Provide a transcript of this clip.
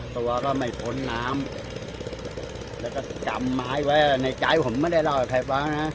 ตัวก็ไม่พ้นน้ำแล้วก็จำไม้ไว้ในใจผมไม่ได้เล่าให้ใครฟังนะ